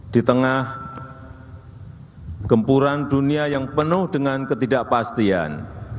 di tengah gempuran dunia yang penuh dengan ketidakpastian